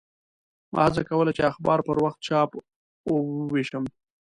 ما هڅه کوله چې اخبار پر وخت چاپ او ووېشم.